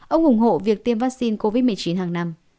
ông ủng hộ việc tiêm vaccine covid một mươi chín hàng năm